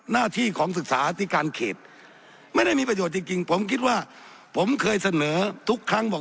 หน้าที่ของศึกษาที่การเขตไม่ได้มีประโยชน์จริงผมคิดว่าผมเคยเสนอทุกครั้งบอก